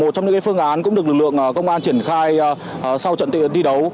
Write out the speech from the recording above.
các phương án cũng được lực lượng công an triển khai sau trận đi đấu